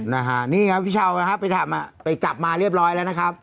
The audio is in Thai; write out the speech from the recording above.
นี่ครับพี่เช้าไปจับมาเรียบร้อยแล้วนะครับนี่ครับพี่เช้าไปจับมาเรียบร้อยแล้วนะครับ